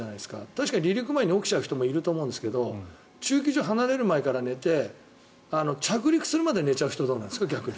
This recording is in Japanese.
確かに離陸前に起きちゃう人もいると思うんですけど駐機場を離れる前から寝て着陸するまで寝ちゃう人はどうなんですか？